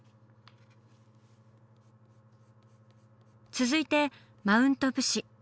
続いてマウント武士。